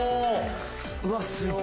うわっ